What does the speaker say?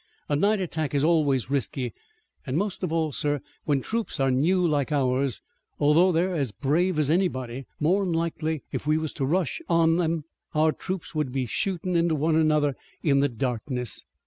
"A night attack is always risky, an' most of all, sir, when troops are new like ours, although they're as brave as anybody. More'n likely if we was to rush on 'em our troops would be shootin' into one another in the darkness."